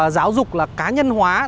giáo dục là cá nhân hóa